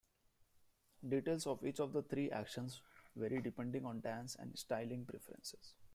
Details of each of the three actions vary depending on dance and styling preferences.